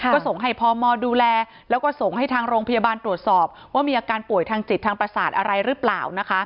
ก็ส่งให้พมดูแลแล้วก็ส่งให้ทางโรงพยาบาลตรวจสอบว่ามีอาการป่วยทางจิตทางประสาทอะไรหรือเปล่านะคะ